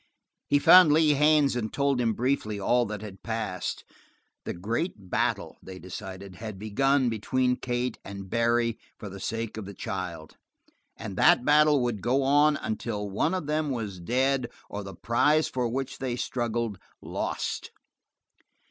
He found Lee Haines and told him briefly all that had passed. The great battle, they decided, had begun between Kate and Barry for the sake of the child, and that battle would go on until one of them was dead or the prize for which they struggled lost.